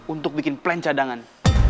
untuk bikin plan cadangan